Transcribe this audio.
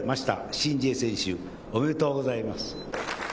シン・ジエ選手、おめでとうございます。